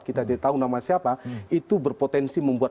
kita tidak tahu nama siapa itu berpotensi membuat